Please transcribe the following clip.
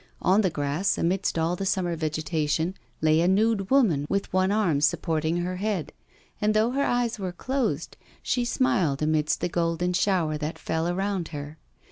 On the grass, amidst all the summer vegetation, lay a nude woman with one arm supporting her head, and though her eyes were closed she smiled amidst the golden shower that fell around her.